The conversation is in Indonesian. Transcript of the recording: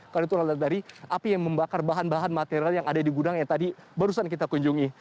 karena itu adalah dari api yang membakar bahan bahan material yang ada di gudang yang tadi barusan kita kunjungi